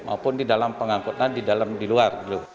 maupun di dalam pengangkutan di luar